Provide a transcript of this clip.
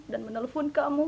dan menelpon kamu